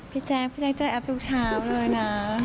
พี่แจ๊กเจ๊แอฟเจ็บทุกเช้าเลยนะ